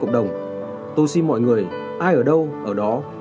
cộng đồng tôi xin mọi người ai ở đâu ở đó